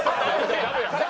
ダメやん！